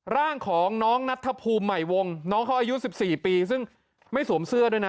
ร่างของน้องนัทธภูมิใหม่วงน้องเขาอายุ๑๔ปีซึ่งไม่สวมเสื้อด้วยนะ